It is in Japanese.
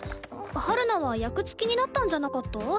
陽菜は役付きになったんじゃなかった？